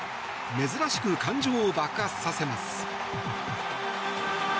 珍しく感情を爆発させます。